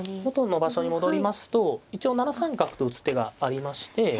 元の場所に戻りますと一応７三角と打つ手がありまして。